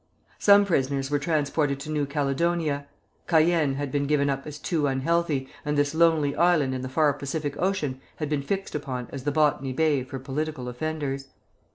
Some prisoners were transported to New Caledonia; Cayenne had been given up as too unhealthy, and this lonely island in the far Pacific Ocean had been fixed upon as the Botany Bay for political offenders.